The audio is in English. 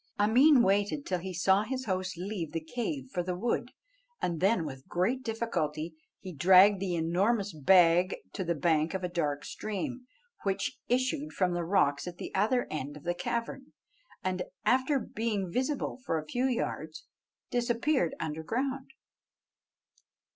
Ameen waited till he saw his host leave the cave for the wood, and then with great difficulty he dragged the enormous bag to the bank of a dark stream, which issued from the rocks at the other end of the cavern, and, after being visible for a few yards, disappeared underground.